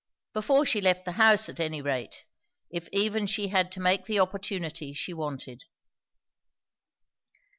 Before she left the house at any rate, if even she had to make the opportunity she wanted.